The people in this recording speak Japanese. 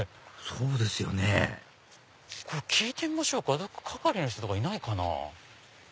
そうですよね聞いてみましょうか係りの人とかいないかな。